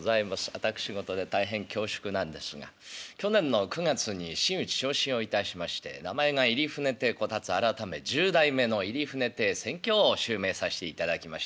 私事で大変恐縮なんですが去年の９月に真打ち昇進をいたしまして名前が入船亭小辰改め十代目の入船亭扇橋を襲名させていただきました。